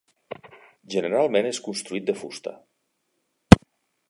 Generalment és construït de fusta.